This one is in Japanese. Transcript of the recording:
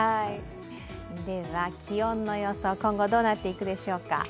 では気温の予想、今後どうなっていくでしょうか。